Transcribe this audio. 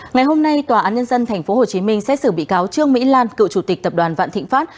ngày hôm nay tòa án nhân dân tp hcm xét xử bị cáo trương mỹ lan cựu chủ tịch tập đoàn vạn thịnh pháp